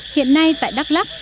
hiện nay tại đắk lắk